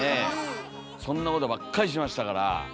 そんなことばっかりしましたから。